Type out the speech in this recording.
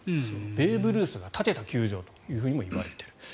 ベーブ・ルースが建てた球場ともいわれている。